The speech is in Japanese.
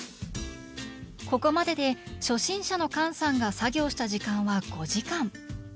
ここまでで初心者の菅さんが作業した時間は５時間。